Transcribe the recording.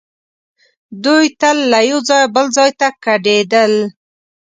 دوی تل له یو ځایه بل ځای ته کډېدل.